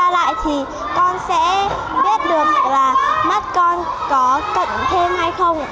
lại thì con sẽ biết được là mắt con có cận thêm hay không